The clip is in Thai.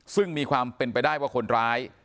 ซึ่งมีความเป็นไปได้ว่าคนร้าย